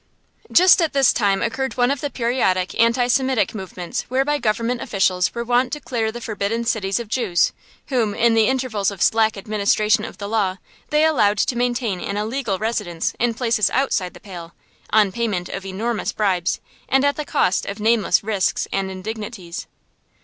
Just at this time occurred one of the periodic anti Semitic movements whereby government officials were wont to clear the forbidden cities of Jews, whom, in the intervals of slack administration of the law, they allowed to maintain an illegal residence in places outside the Pale, on payment of enormous bribes and at the cost of nameless risks and indignities.